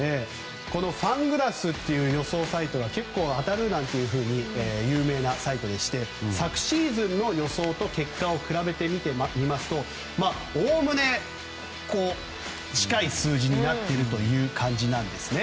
このファングラスという予想サイトは結構、当たるなんていうふうに有名なサイトでして昨シーズンの予想と結果を比べてみますとおおむね、近い数字になっているという感じなんですね。